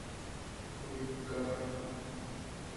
Publicó varios artículos en el semanario Marcha.